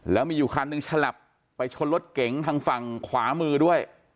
แล้วมีอยู่คันหนึ่งฉลับไปชนรถเก๋งทางฝั่งขวามือด้วย